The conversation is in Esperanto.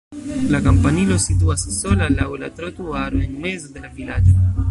La kampanilo situas sola laŭ la trotuaro en mezo de la vilaĝo.